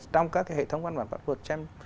trong các cái hệ thống văn bản pháp luật xem